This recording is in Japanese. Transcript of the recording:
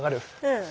うん。